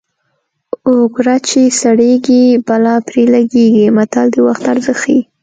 اوګره چې سړېږي بلا پرې لګېږي متل د وخت ارزښت ښيي